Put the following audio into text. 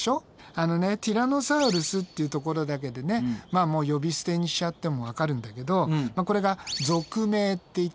あのねティラノサウルスっていうところだけでね呼び捨てにしちゃってもわかるんだけどこれが属名っていってね